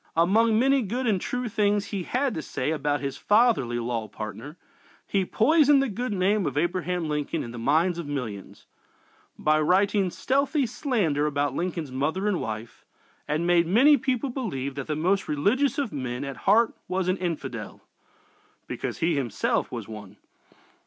Among many good and true things he had to say about his fatherly law partner, he poisoned the good name of Abraham Lincoln in the minds of millions, by writing stealthy slander about Lincoln's mother and wife, and made many people believe that the most religious of men at heart was an infidel (because he himself was one!)